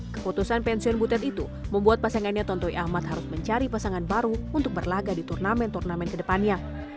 keputusan pensiun butet itu membuat pasangannya tontoy ahmad harus mencari pasangan baru untuk berlaga di turnamen turnamen kedepannya